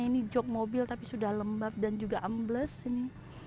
ini jog mobil tapi sudah lembab dan juga ambles ini